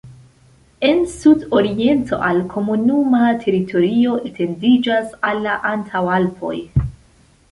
En sudoriento al komunuma teritorio etendiĝas al la Antaŭalpoj.